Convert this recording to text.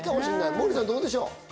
モーリーさん、どうでしょう？